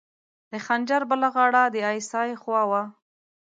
د خنجر بله غاړه د ای اس ای خوا وه.